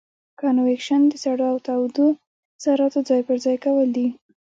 کانویکشن د سړو او تودو ذرتو ځای پر ځای کول دي.